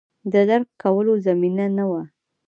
د درک کولو زمینه نه وه